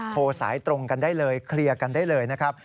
โทรสายตรงกันได้เลยเคลียร์กันได้เลยนะครับ